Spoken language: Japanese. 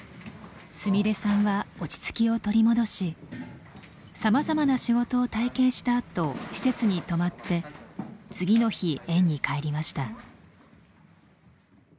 すみれさんは落ち着きを取り戻しさまざまな仕事を体験したあと施設に泊まって次の日園に帰りました。